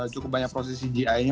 cukup banyak proses cgi nya